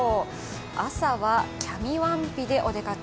朝はキャミワンピでお出かけ